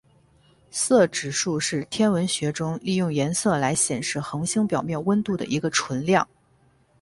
色指数是天文学中利用颜色来显示恒星表面温度的一个纯量。